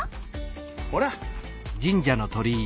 ほら！